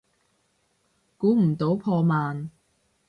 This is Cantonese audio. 估唔到破万